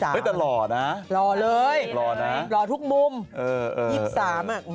เฮ้ยแต่หล่อนะหล่อเลยหล่อทุกมุมหล่อเลยหล่อทุกมุม